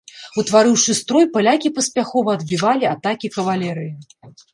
Утварыўшы строй, палякі паспяхова адбівалі атакі кавалерыі.